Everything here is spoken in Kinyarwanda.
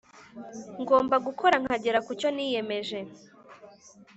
Ngomba gukora nkagera kucyo niyemeje